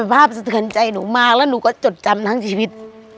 ภาพสะเทือนใจหนูมากแล้วหนูก็จดจำทั้งชีวิต